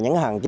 những hạn chế